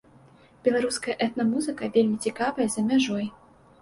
Беларуская этна-музыка вельмі цікавая за мяжой.